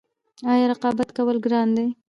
آیا رقابت کول ګران دي؟